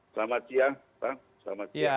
selamat siang pak selamat siang